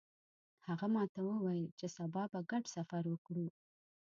هغه ماته وویل چې سبا به ګډ سفر وکړو